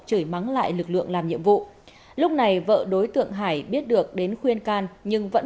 chửi mắng lại lực lượng làm nhiệm vụ lúc này vợ đối tượng hải biết được đến khuyên can nhưng vẫn